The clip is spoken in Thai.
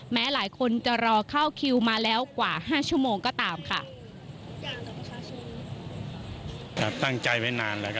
หลายคนจะรอเข้าคิวมาแล้วกว่า๕ชั่วโมงก็ตามค่ะ